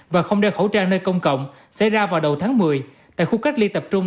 và không đeo khẩu trang nơi công cộng xảy ra vào đầu tháng một mươi tại khu cách ly tập trung